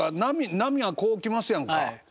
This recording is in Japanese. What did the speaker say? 波はこう来ますやんかねっ。